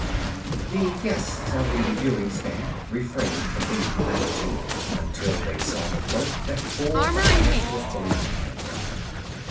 The guests on the reviewing stand refrained from any hilarity until they saw the float that four of the ants were pulling behind them.